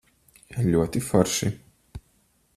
Ļoti forši.